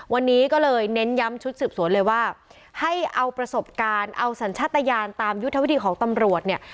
วันนี้ก็เลยเน้นย้ำชุดสืบสวนเลยว่าให้เอาประสบการณ์เอาสัญชาติยานตามยุทธวิธีของตำรวจเนี่ย